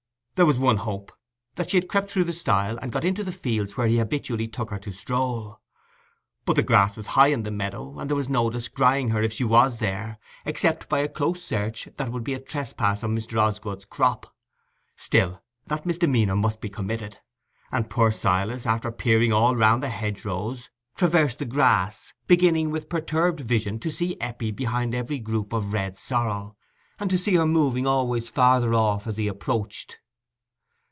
There was one hope—that she had crept through the stile and got into the fields, where he habitually took her to stroll. But the grass was high in the meadow, and there was no descrying her, if she were there, except by a close search that would be a trespass on Mr. Osgood's crop. Still, that misdemeanour must be committed; and poor Silas, after peering all round the hedgerows, traversed the grass, beginning with perturbed vision to see Eppie behind every group of red sorrel, and to see her moving always farther off as he approached.